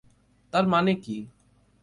তার মানে কি?